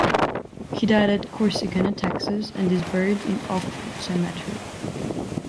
He died at Corsicana, Texas, and is buried in Oakwood Cemetery.